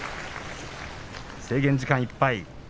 制限時間いっぱい。